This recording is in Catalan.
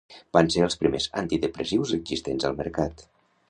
Van ser els primers antidepressius existents al mercat.